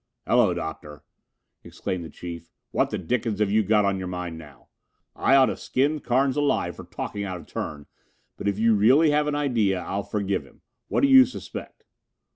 "Hello, Doctor," exclaimed the Chief, "what the dickens have you got on your mind now? I ought to skin Carnes alive for talking out of turn, but if you really have an idea, I'll forgive him. What do you suspect?"